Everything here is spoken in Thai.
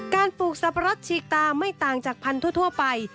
ปลูกสับปะรดฉีกตาไม่ต่างจากพันธุไป